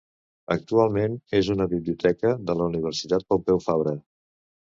Actualment és una biblioteca de la Universitat Pompeu Fabra.